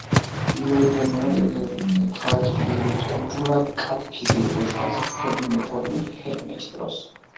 იმდროინდელ მონეტებზე, ერთ მხარეს ფიგურირებს კუჯულა კადფიზი, როგორც განსაკუთრებული მეთაური მეფე ჰერმეის დროს.